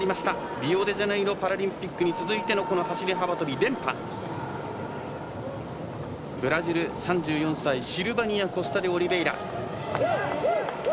リオデジャネイロパラリンピックに続いてのこの走り幅跳び連覇ブラジル、３４歳シルバニア・コスタデオリベイラ。